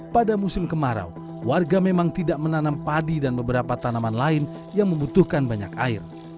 pada musim kemarau warga memang tidak menanam padi dan beberapa tanaman lain yang membutuhkan banyak air